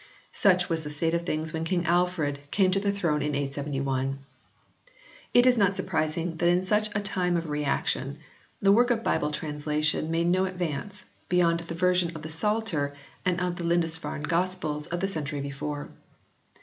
Such was the state of things when King Alfred came to the throne in 871. It is not sur prising that in such a time of reaction the work of Bible translation made no advance beyond the ver sion of the Psalter and of the Lindisfarne Gospels of the century before.